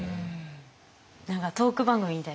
何かトーク番組みたいですね。